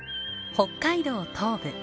北海道東部